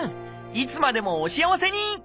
いつまでもお幸せに！